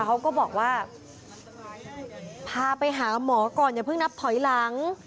เขาก็บอกว่าพาไปหาหมอก่อนอย่าเพิ่งนับถอยหลัง